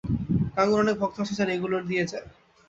গাঙুর অনেক ভক্ত আছে যারা এগুলো দিয়ে যায়।